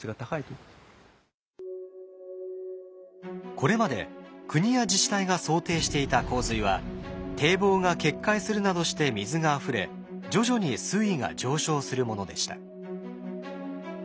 これまで国や自治体が想定していた洪水は堤防が決壊するなどして水があふれ徐々に水位が上昇するものでした。